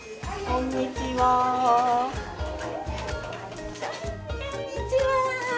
こんにちは。